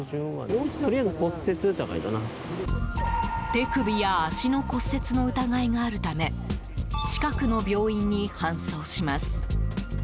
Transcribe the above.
手首や足の骨折の疑いがあるため近くの病院に搬送します。